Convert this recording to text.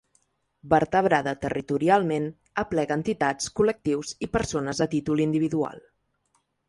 Vertebrada territorialment, aplega entitats, col·lectius i persones a títol individual.